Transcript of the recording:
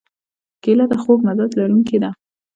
کېله د خوږ مزاج لرونکې ده.